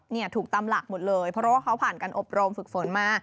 เนี่ยถูกตามหลักหมดเลยเพราะว่าเขาผ่านการอบรมฝึกฝนมา